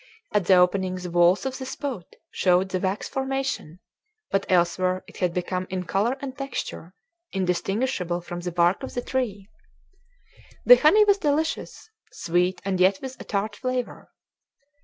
At the opening the walls of the spout showed the wax formation, but elsewhere it had become in color and texture indistinguishable from the bark of the tree. The honey was delicious, sweet and yet with a tart flavor.